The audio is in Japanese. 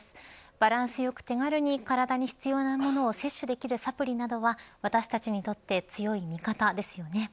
バランスよく手軽に、体に必要なものを摂取できるサプリなどは私たちにとって強い味方ですよね。